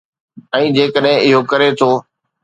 ۽ جيڪڏهن اهو ڪري ٿو.